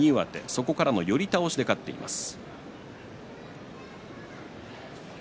そこからの寄り倒しで勝っています。